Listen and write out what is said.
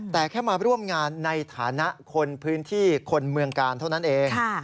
แต่แค่มาร่วมงานในฐานะคนพื้นที่คนเมืองกาลเท่านั้นเอง